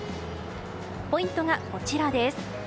ポイントがこちらです。